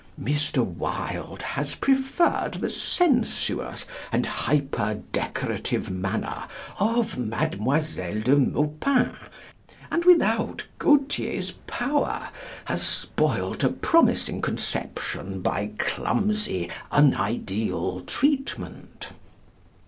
Mr. Wilde has preferred the senuous and hyperdecorative manner of "Mademoiselle de Maupin," and without Gautier's power, has spoilt a promising conception by clumsy unideal treatment.